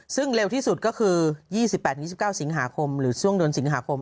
ซึ่งเร็วที่สุดก็คือ๒๘๒๙สิงหาคมหรือช่วงเดือนสิงหาคม